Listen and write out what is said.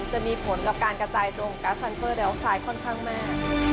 จะมีผลกับการกระจายตรงกับสันเฟอร์แดลท์ขายค่อนข้างมาก